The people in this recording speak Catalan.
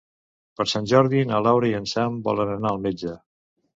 Per Sant Jordi na Laura i en Sam volen anar al metge.